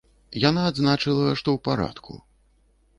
Яна адзначыла, што ў парадку.